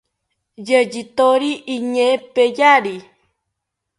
Yeyithori iñee peyari